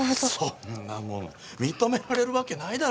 そんなもん認められるわけないだろう